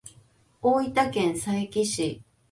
大分県佐伯市